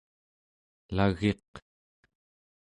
lagiq